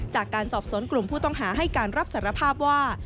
จากการสอบสวนกลุ่มผู้ต้องหาให้การรับสารภาพว่า